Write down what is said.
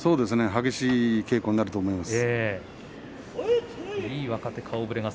激しい稽古になると思います。